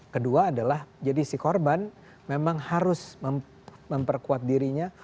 kedua adalah jadi si korban memang harus memperkuat dirinya